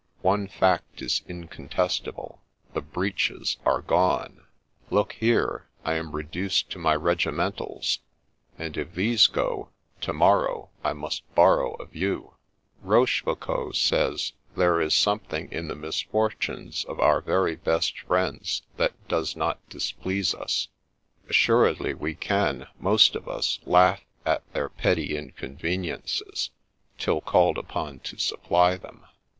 One fact is incontestable, — the breeches are gone ! Look here — I am reduced to my regimentals ; and if these go, to morrow I must borrow of you !' Rochefoucault says, there is something in the misfortunes of our very best friends that does not displease us ; assuredly we can, most of us, laugh at their petty inconveniences, till called upon to supply them.